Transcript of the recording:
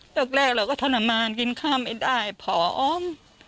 แรกเราก็ทรมานกินข้าวไม่ได้ผอม